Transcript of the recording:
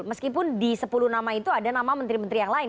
meskipun di sepuluh nama itu ada nama menteri menteri yang lain